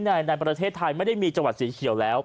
ในประเทศไทยไม่ได้มีจังหวัดสีเขียวแล้ว